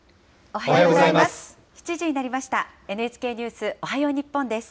おはようございます。